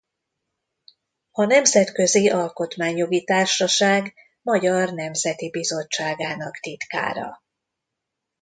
A Nemzetközi Alkotmányjogi Társaság magyar nemzeti bizottságának titkára.